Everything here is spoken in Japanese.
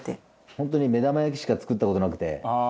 大久保：本当に目玉焼きしか作った事なくて。